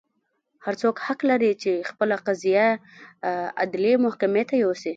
هر څوک حق لري چې خپله قضیه عدلي محکمې ته یوسي.